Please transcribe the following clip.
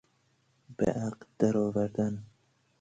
به عقد درآوردن